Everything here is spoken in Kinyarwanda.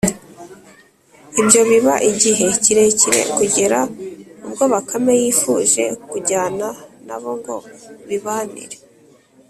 Ibyo biba igihe kirekire, kugera ubwo Bakame yifuje kujyana na bo ngo bibanire